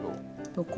どこ？